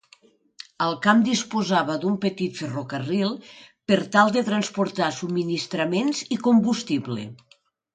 El camp disposava d'un petit ferrocarril per tal de transportar subministraments i combustible.